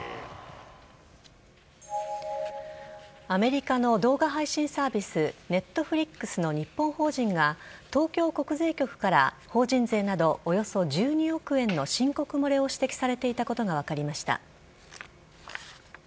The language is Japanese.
アメリカの動画配信サービス、ネットフリックスの日本法人が、東京国税局から、法人税などおよそ１２億円の申告漏れを指摘されていたことが分かりました。